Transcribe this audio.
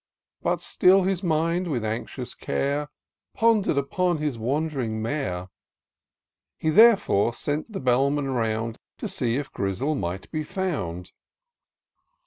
But still his mind, with anxious care, Ponder'd upon his wand'ring mare ; He, therefore, sent the bellman round. To see if Grizzle might be found.